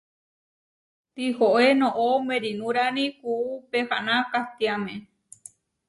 Tihoé noʼó merinurani kuú pehaná kahtiáme.